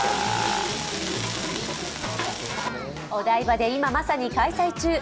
お台場で今まさに開催中。